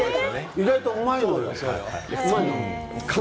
意外とうまいのよ。